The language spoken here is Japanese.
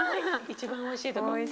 一番おいしいところ。